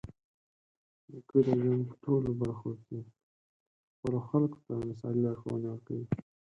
نیکه د ژوند په ټولو برخه کې خپلو خلکو ته مثالي لارښوونې ورکوي.